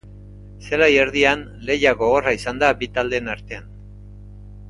Zelai erdian lehia gogorra izan da bi taldeen artean.